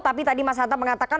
tapi tadi mas hanta mengatakan